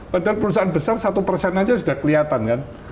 padahal perusahaan besar satu persen aja sudah kelihatan kan